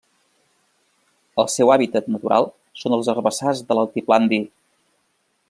El seu hàbitat natural són els herbassars de l'altiplà andí.